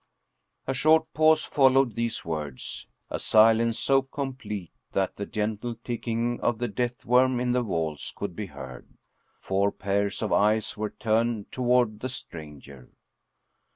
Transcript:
" A short pause followed these words a silence so com plete that the gentle ticking of the death worm in the walls could be heard. Four pairs of eyes were turned toward the stranger.